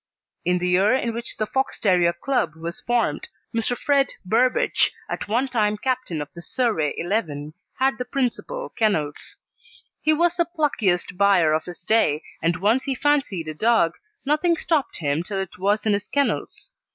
In the year in which the Fox terrier Club was formed, Mr. Fred Burbidge, at one time captain of the Surrey Eleven, had the principal kennels. He was the pluckiest buyer of his day, and once he fancied a dog nothing stopped him till it was in his kennels.